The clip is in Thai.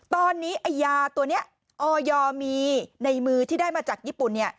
ตอนนี้ยาตัวนี้อยมีในมือที่ได้มาจากญี่ปุ่น